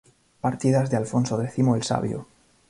Partidas de Alfonso X el sabio.